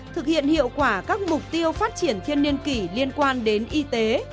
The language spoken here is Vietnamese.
thực hiện hiệu quả các mục tiêu phát triển thiên niên kỷ liên quan đến y tế